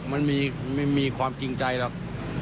มันไม่มีความจริงใจหรอก